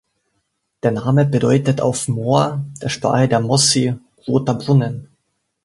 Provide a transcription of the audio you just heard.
Der Name bedeutet auf Moore, der Sprache der Mossi, „roter Brunnen“.